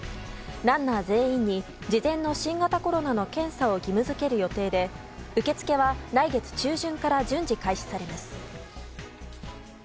ランナー全員に事前の新型コロナの検査を義務付ける予定で受け付けは来月中旬から順次、開始されます。